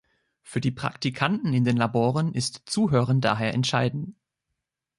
Für die Praktiken in den Laboren ist Zuhören daher entscheiden.